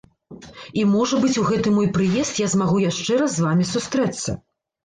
І, можа быць, у гэты мой прыезд я змагу яшчэ раз з вамі сустрэцца.